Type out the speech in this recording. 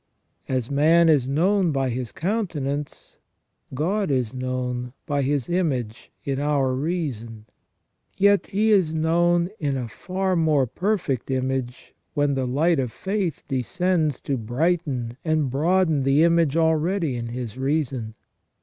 As man is known by his countenance, God is known by His image in our reason ; yet He is known in a far more perfect image when the light of faith descends to brighten and broaden the image already in his reason.